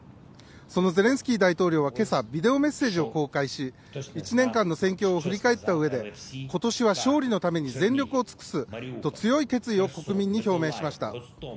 そのゼレンスキー大統領は今朝、ビデオメッセージを公開し１年間の戦況を振り返ったうえで今年は勝利のために全力を尽くすと強い決意を国民に表明しました。